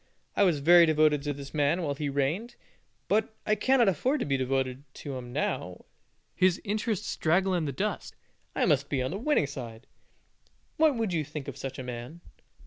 I was very devoted to this man while he reigned, but I cannot afford to be devoted to him now his interests draggle in the dust; I must be on the winning side." What would you think of such a man?